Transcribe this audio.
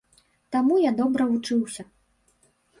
Таму я добра вучыўся.